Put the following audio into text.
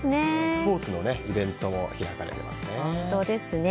スポーツのイベントも開かれていますね。